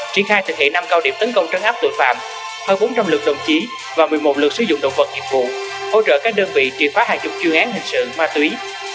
triển khai thực hiện năm cao điểm tấn công trấn áp tội phạm hơn bốn trăm linh lực đồng chí và một mươi một lượt sử dụng động vật nghiệp vụ hỗ trợ các đơn vị triệt phá hàng chục chuyên án hình sự ma túy